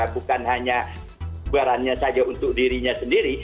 bukan hanya bubarannya saja untuk dirinya sendiri